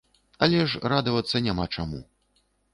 Але ж радавацца няма чаму.